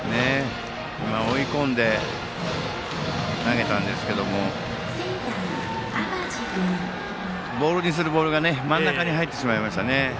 追い込んで投げたんですけれどもボールにする球が真ん中に入ってしまいましたね。